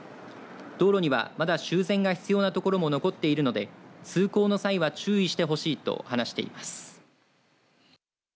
道路にはまだ修繕が必要なところも残っているので通行の際は注意してほしいと話しています。